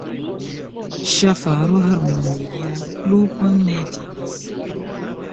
Ŝafaro harmonia lupon ne timas.